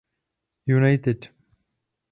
United.